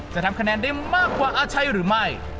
จะทำคะแนนได้มากกว่าอาชัยหรือไม่